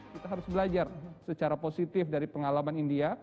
kita harus belajar secara positif dari pengalaman india